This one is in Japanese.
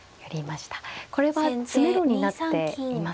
これは詰めろになっていますか。